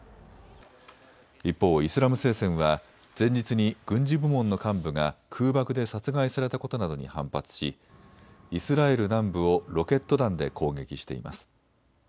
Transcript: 一方、イスラム聖戦は前日に軍事部門の幹部が空爆で殺害されたことなどに反発しイスラエル南部をロケット弾で攻撃しています。